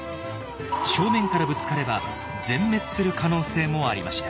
正面からぶつかれば全滅する可能性もありました。